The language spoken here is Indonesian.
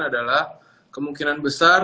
adalah kemungkinan besar